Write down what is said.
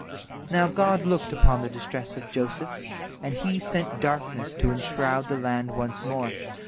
Now God looked upon the distress of Joseph, and He sent darkness to enshroud the land once more.